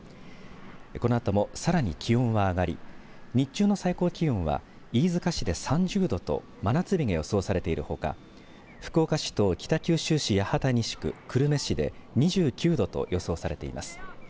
このあともさらに気温は上がり日中の最高気温は飯塚市で３０度と真夏日が予想されているほか福岡市と北九州市八幡西区久留米市で２９度と予想されています。